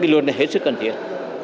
luật này hết sức cần thiết